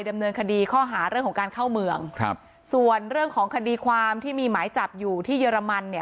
ดำเนินคดีข้อหาเรื่องของการเข้าเมืองครับส่วนเรื่องของคดีความที่มีหมายจับอยู่ที่เยอรมันเนี่ย